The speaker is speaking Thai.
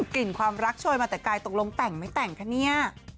กลิ่นความรักโชยมาแต่ไกลตกลงแต่งไม่แต่งคะเนี่ย